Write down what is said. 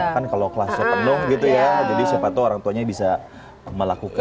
kan kalau kelasnya penuh gitu ya jadi siapa tau orang tuanya bisa melakukan atau melakukan ya